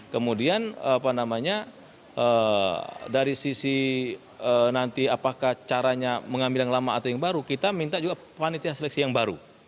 kemudian apa namanya dari sisi nanti apakah caranya mengambil yang lama atau yang baru kita minta juga panitia seleksi yang baru